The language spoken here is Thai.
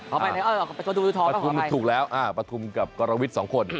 ประทุมที่ละทอนขอไปถูกแล้วประทุมกับกราวิทย์๒คน